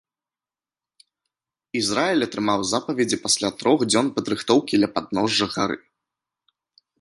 Ізраіль атрымаў запаведзі пасля трох дзён падрыхтоўкі ля падножжа гары.